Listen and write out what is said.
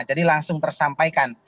jadi langsung tersampaikan